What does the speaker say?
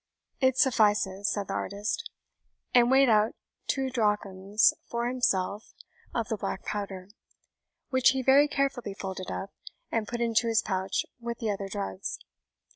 "It suffices," said the artist, and weighed out two drachms for himself of the black powder, which he very carefully folded up, and put into his pouch with the other drugs.